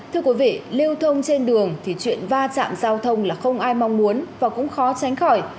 thưa quý vị lưu thông trên đường thì chuyện va chạm giao thông là không ai mong muốn và cũng khó tránh khỏi